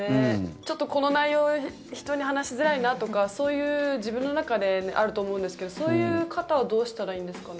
ちょっと、この内容人に話しづらいなとかそういう自分の中であると思うんですけどそういう方はどうしたらいいんですかね？